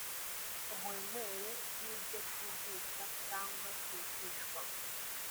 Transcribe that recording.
uburemere bw’ibyo twigisha cyangwa twigishwa